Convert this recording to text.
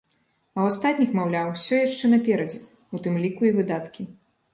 А ў астатніх, маўляў, усё яшчэ наперадзе, у тым ліку і выдаткі.